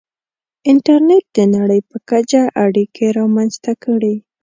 • انټرنېټ د نړۍ په کچه اړیکې رامنځته کړې.